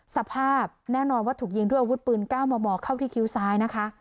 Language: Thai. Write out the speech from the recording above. สภาพแน่นอนว่าถูกยิงด้วยอาวุธปืน๙มมเข้าที่คิ้วซ้ายนะคะ